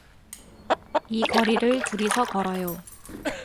이거리를 둘이서 걸어요.